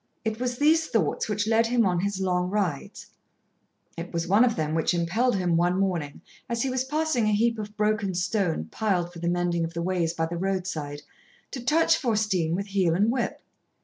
It was these thoughts which led him on his long rides; it was one of them which impelled him, one morning, as he was passing a heap of broken stone, piled for the mending of the ways by the roadside, to touch Faustine with heel and whip.